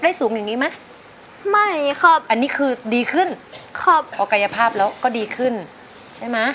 แล้วกี๊อีกข้างนึง